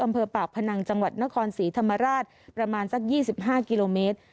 อำเภอปากพนังจังหวัดนครศรีธรรมราชประมาณสัก๒๕กิโลเมตร